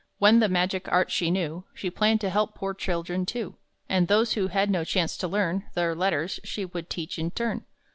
When the magic art she knew, She planned to help poor children too; And those who had no chance to learn Their letters, she would teach in turn.